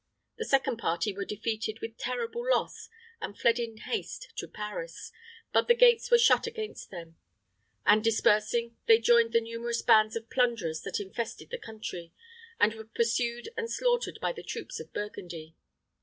The second party were defeated with terrible loss, and fled in haste to Paris; but the gates were shut against them; and dispersing, they joined the numerous bands of plunderers that infested the country, and were pursued and slaughtered by the troops of Burgundy.